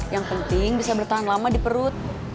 yang penting bisa bertahan lama di perut